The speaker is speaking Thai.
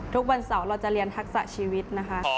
ทุกวันเสาร์เราจะเรียนทักษะชีวิตนะคะ